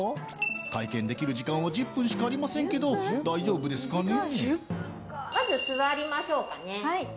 体験できる時間は１０分しかありませんけどまず座りましょうかね。